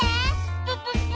プププ！